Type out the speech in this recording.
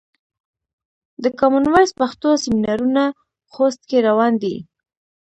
د کامن وایس پښتو سمینارونه خوست کې روان دي.